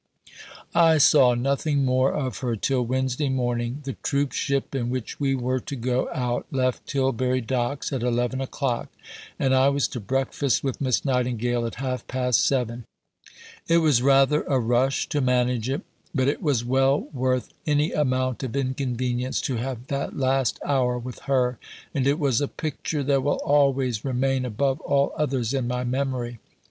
I saw nothing more of her till Wednesday morning. The troop ship in which we were to go out left Tilbury Docks at 11 o'clock, and I was to breakfast with Miss Nightingale at half past seven. It was rather a rush to manage it, but it was well worth any amount of inconvenience to have that last hour with her, and it was a picture that will always remain above all others in my memory.